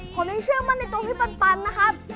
ผมยังเชื่อมั่นในตัวพี่ปันนะครับ